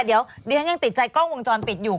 เดี๋ยวดิฉันยังติดใจกล้องวงจรปิดอยู่